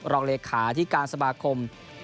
รองเลขาที่การสมาคม